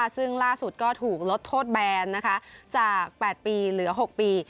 ซึ่งล่าสุดก็ถูกลดโทษแบนจาก๘ปีเหลือ๖ปี